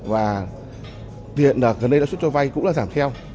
và hiện gần đây lãi suất cho vay cũng là giảm theo